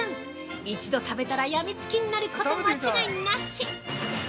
一度食べたらやみつきになること間違いなし。